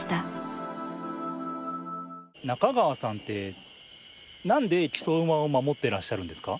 中川さんってなんで木曽馬を守ってらっしゃるんですか？